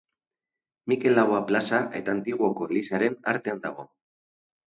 Mikel Laboa plaza eta Antiguoko elizaren artean dago.